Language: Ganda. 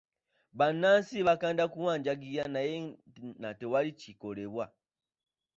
Bannansi baakanda kuwanjagira naye na tewali kikolebwa.